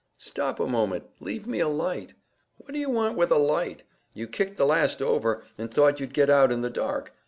"Stop a moment; leave me a light." "What do you want with a light? You kicked the last over, and thought you'd get out in the dark.